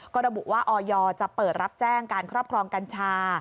ก็ระบุว่าออยจะเปิดรับแจ้งการครอบครองกัญชา